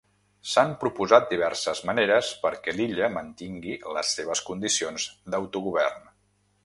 S'han proposat diverses maneres perquè l'illa mantingui les seves condicions d'autogovern.